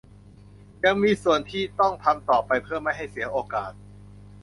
ยังมีส่วนที่ต้องทำต่อไปเพื่อไม่ให้เสียโอกาส